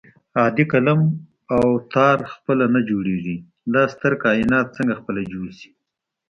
عادي قلم او تار خپله نه جوړېږي دا ستر کائنات څنګه خپله جوړ شي